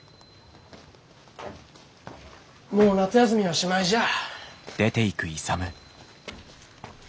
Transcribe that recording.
もう夏休みはしまいじゃあ。